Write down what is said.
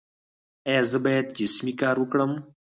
ایا زه باید جسمي کار وکړم؟